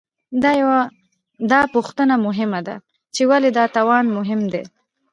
دا پوښتنه مهمه ده، چې ولې دا توان مهم دی؟